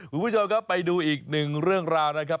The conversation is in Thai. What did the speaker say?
คุณผู้ชมครับไปดูอีกหนึ่งเรื่องราวนะครับ